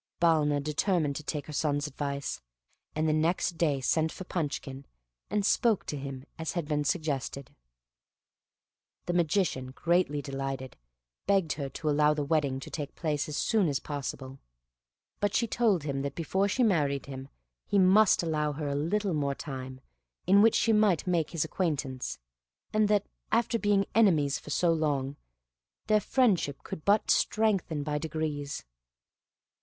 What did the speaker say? Balna determined to take her son's advice; and the next day sent for Punchkin, and spoke to him as had been suggested. The Magician greatly delighted, begged her to allow the wedding to take place as soon as possible. But she told him that before she married him he must allow her a little more time, in which she might make his acquaintance, and that, after being enemies so long, their friendship could but strengthen by degrees.